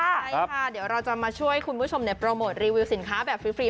ใช่ค่ะเดี๋ยวเราจะมาช่วยคุณผู้ชมโปรโมทรีวิวสินค้าแบบฟรี